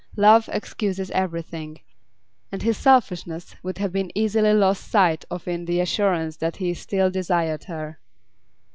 Love excuses everything, and his selfishness would have been easily lost sight of in the assurance that he still desired her.